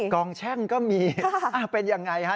กองแช่งก็มีเป็นอย่างไรครับ